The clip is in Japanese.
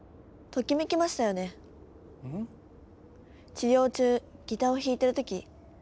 治療中ギターを弾いてる時ロッソさん